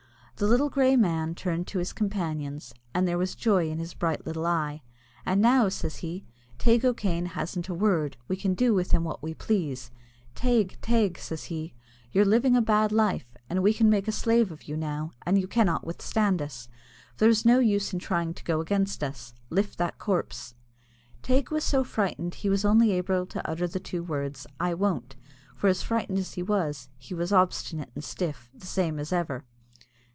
The little grey man turned to his companions, and there was joy in his bright little eye. "And now," says he, "Teig O'Kane hasn't a word, we can do with him what we please. Teig, Teig," says he, "you're living a bad life, and we can make a slave of you now, and you cannot withstand us, for there's no use in trying to go against us. Lift that corpse." Teig was so frightened that he was only able to utter the two words, "I won't;" for as frightened as he was, he was obstinate and stiff, the same as ever.